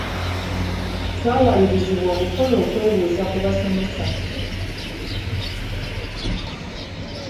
Twawalirizibwa okukola okwebuuza ku basomesa.